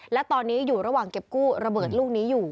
และตอนนี้อยู่ระหว่างเก็บกู้ระเบิดลูกนี้อยู่